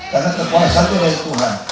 karena kekuasaan itu dari tuhan